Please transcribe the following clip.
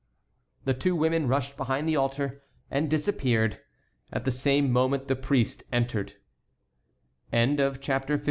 The two women rushed behind the altar and disappeared. At the same moment the priest entered. CHAPTER LX.